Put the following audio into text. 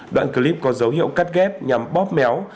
đoạn clip có dấu hiệu cắt ghép nhằm bóp méo